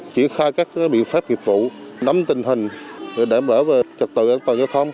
triển khai các biện pháp nghiệp vụ nắm tình hình đảm bảo trật tự an toàn giao thông